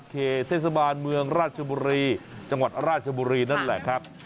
เขตเทศบาลเมืองราชบุรีจังหวัดราชบุรีนั่นแหละครับ